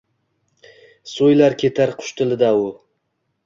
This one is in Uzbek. So’ylay ketar “qush tili”da u